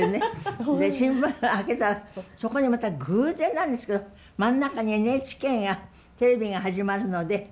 で新聞開けたらそこにまた偶然なんですけど真ん中に「ＮＨＫがテレビが始まるので募集する」と書いたのが出てたんです。